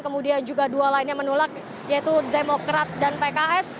kemudian juga dua lainnya menolak yaitu demokrat dan pks